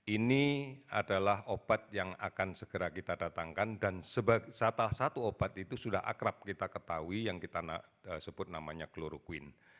ini adalah obat yang akan segera kita datangkan dan satu obat itu sudah akrab kita ketahui yang kita sebut namanya kloroquine